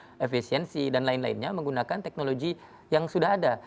dan juga keuntungan productivity efisiensi dan lain lainnya menggunakan teknologi yang sudah ada